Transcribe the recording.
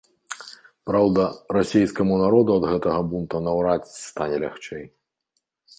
Праўда, расейскаму народу ад гэтага бунту наўрад ці стане лягчэй.